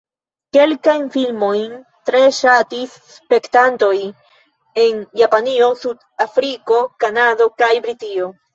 Kelkajn filmojn tre ŝatis spektantoj en Japanio, Sud-Afriko, Kanado kaj Britio.